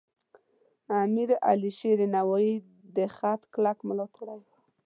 امیر علیشیر نوایی د خط کلک ملاتړی و.